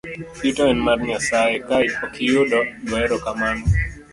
Yuto en mar Nyasaye, ka okiyudo go ero kamano.